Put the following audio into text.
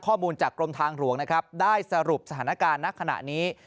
ข้อมูลจากกรมทางหลวงนะครับได้สรุปสถานการณ์ณขณะนี้